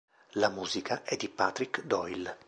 La musica è di Patrick Doyle.